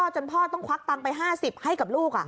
จนพ่อต้องควักตังค์ไป๕๐ให้กับลูก